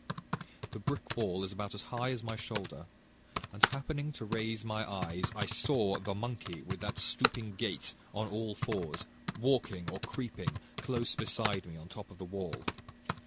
"This brick wall is about as high as my shoulder, and happening to raise my eyes I saw the monkey, with that stooping gait, on all fours, walking or creeping, close beside me, on top of the wall.